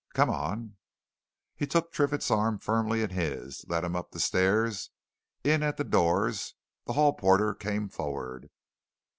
Come on!" He took Triffitt's arm firmly in his, led him up the stairs, in at the doors. The hall porter came forward.